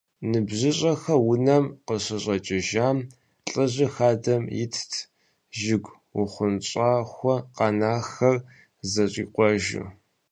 НыбжьыщӀэхэр унэм къыщыщӀэкӀыжам, лӏыжьыр хадэм итт, жыг ухъуэнщӀахуэ къэнахэр зэщӀикъуэжу.